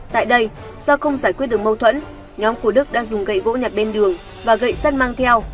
tại đây do không giải quyết được mâu thuẫn nhóm của đức đã dùng gậy gỗ nhặt bên đường và gậy sắt mang theo